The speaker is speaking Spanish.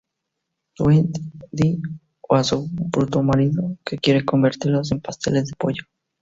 Tweedy o a su bruto marido, que quieren convertirlos en pasteles de pollo.